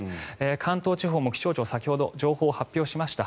関東地方も気象庁先ほど情報を発表しました。